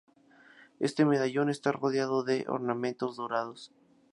Este medallón está rodeado de ornamentos dorados.